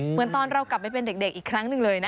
เหมือนตอนเรากลับไปเป็นเด็กอีกครั้งหนึ่งเลยนะ